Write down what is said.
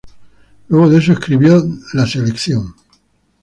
Luego de eso escribió The Selection.